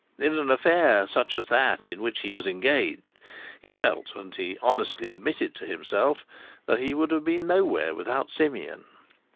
In an affair such as that in which he was engaged, he felt, and he honestly admitted to himself, that he would have been nowhere without Simeon.